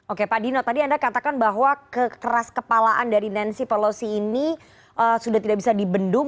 oke pak dino tadi anda katakan bahwa kekerasan kepalaan dari nancy polosi ini sudah tidak bisa dibendung